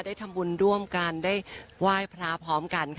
ได้ทำบุญร่วมกันได้ไหว้พระพร้อมกันค่ะ